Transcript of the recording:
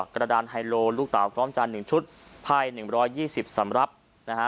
กระดานไฮโลลูกเตากล้องจานหนึ่งชุดภายหนึ่งร้อยยี่สิบสำรับนะฮะ